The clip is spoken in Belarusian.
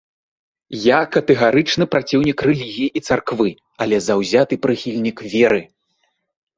Я катэгарычны праціўнік рэлігіі і царквы, але заўзяты прыхільнік веры.